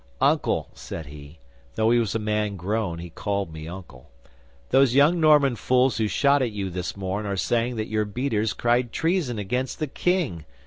'"Uncle," said he (though he was a man grown, he called me Uncle), "those young Norman fools who shot at you this morn are saying that your beaters cried treason against the King.